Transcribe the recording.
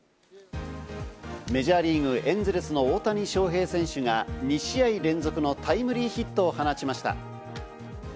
メジャーリーグ、エンゼルスの大谷翔平選手が２試合連続のタイムリーヒットを放ちました。